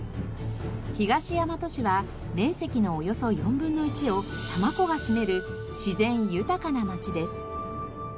東大和市は面積のおよそ４分の１を多摩湖が占める自然豊かな町です。